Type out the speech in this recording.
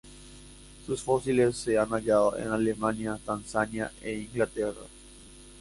Sus fósiles se han hallado en Alemania, Tanzania e Inglaterra.